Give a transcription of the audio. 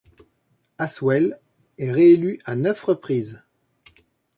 Aswell est réélu à neuf reprises.